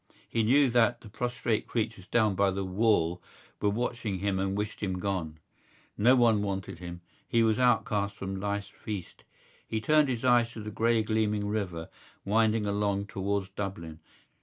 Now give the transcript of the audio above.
He knew that the prostrate creatures down by the wall were watching him and wished him gone. No one wanted him; he was outcast from life's feast. He turned his eyes to the grey gleaming river, winding along towards Dublin.